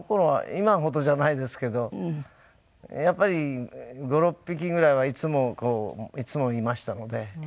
今ほどじゃないですけどやっぱり５６匹ぐらいはいつもいつもいましたので。